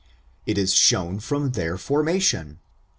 It is shown from their formation.